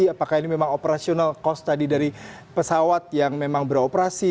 apakah ini memang operasional cost tadi dari pesawat yang memang beroperasi